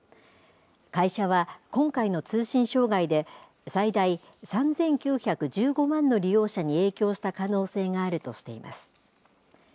会社は、今回の通信障害で、最大３９１５万の利用者に影響した可能性があるとしています。